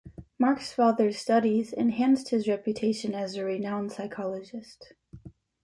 Mark's father's studies enhanced his reputation as a renowned psychologist.